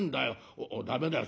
駄目だよ